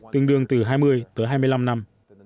tương đương từ hai mươi tới hai mươi năm năm